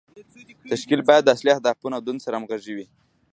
تشکیل باید د اصلي اهدافو او دندو سره همغږی وي.